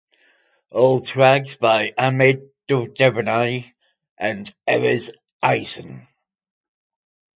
All tracks by Amit Duvdevani and Erez Eisen.